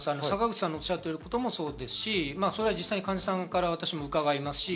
坂口さんがおっしゃっていることもそうですし、実際、患者さんからも伺います。